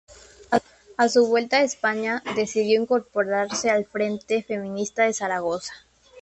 A su vuelta a España, decidió incorporarse al Frente Feminista de Zaragoza.